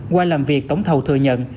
qua làm việc tổng thầu thừa nhận